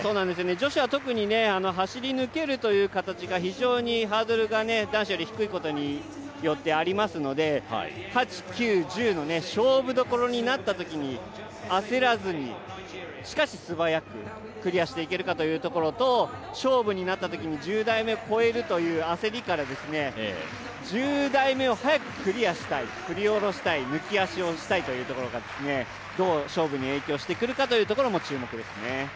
女子は特に走り抜けるという形が非常にハードルが男子より低いことによってありますので８、９、１０の勝負どころになったときに焦らずに、しかし素早くクリアしていけるかというところと、勝負になったときに１０台目を越えるという焦りから、１０台目を速くクリアしたい、抜き足をしたいというところがどう勝負に影響してくるかというところも注目ですね。